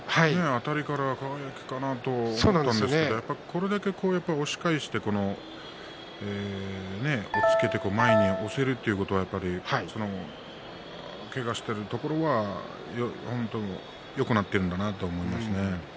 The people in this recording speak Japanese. あたりからは輝かなと思ったんですがこれだけ押し返して押っつけて前に押せるということはけがしているところが本当によくなっているんだなと思いますね。